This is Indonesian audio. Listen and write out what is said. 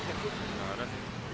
nggak ada sih